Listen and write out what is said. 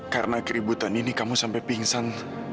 karena keributan ini kamu sampai pingsan